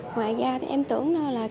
ngoài ra em tưởng là